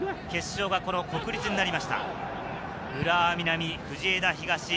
決勝がこの国立になりました。